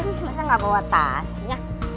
nih sampe saya gak bawa tasnya